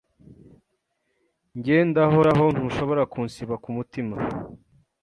Njye ndahoraho ntushobora kunsiba kumutima